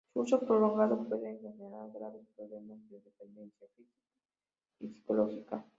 Su uso prolongado puede generar graves problemas de dependencia física y psicológica.